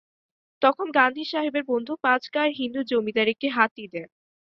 তখন গান্ধী সাহেবের বন্ধু পাঁচ গায়ের হিন্দু জমিদার একটি হাতি দেন।